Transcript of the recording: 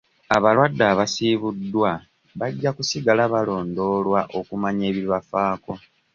Abalwadde abasiibuddwa bajja kusigala balondoolwa okumanya ebibafaako.